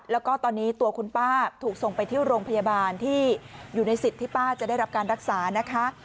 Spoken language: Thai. แล้วก็ตอนนี้ตัวคุณป้าถูกส่งไปที่โรงพยาบาลที่อยู่ในสิทธิ์ที่ป้าจะได้รับการรักษานะคะ